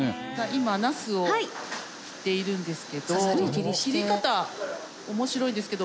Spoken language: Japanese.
今ナスを切っているんですけど切り方面白いですけど